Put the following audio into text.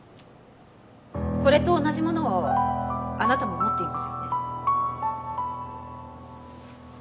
これと同じものをあなたも持っていますよね？